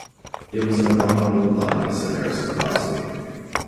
"It was an abominable lie," said Harrison crossly.